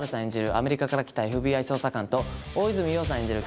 アメリカから来たＦＢＩ捜査官と大泉洋さん演じる